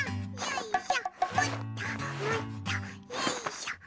よいしょ！